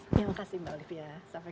terima kasih mbak olivia